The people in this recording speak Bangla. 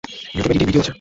ইউটিউবেও দিদির ভিডিও আছে।